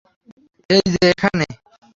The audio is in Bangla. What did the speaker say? এইযে, এখানে।